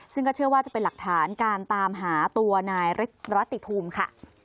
ซึ่งก็เชื่อว่าจะเป็นหลักฐานการตามหาตัวนายรัติภูมิค่ะ